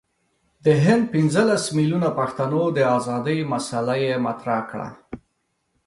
د هند پنځه لس میلیونه پښتنو د آزادی مسله یې مطرح کړه.